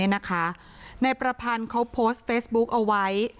นายประพันธ์เขาโพสต์เฟซบุ๊กเอาไว้